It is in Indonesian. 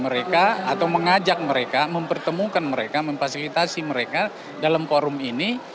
mereka atau mengajak mereka mempertemukan mereka memfasilitasi mereka dalam forum ini